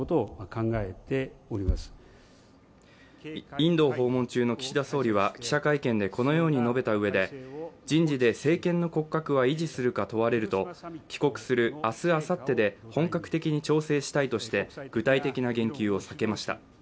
インドを訪問中の岸田総理は記者会見でこのように述べたうえで人事で政権の骨格は維持するか問われると帰国する明日、あさってで本格的に調整したいとして具体的な言及を避けました。